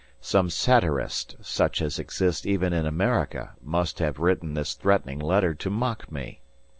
Some satirist, such as exists even in America, must have written this threatening letter to mock me.